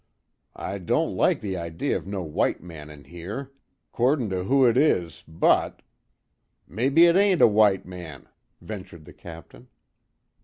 I don't like the idee of no white man in here. 'Cordin' to who it is but " "Mebbe it ain't a white man," ventured the Captain.